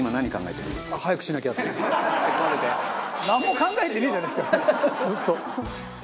なんも考えてねえじゃねえですかずっと。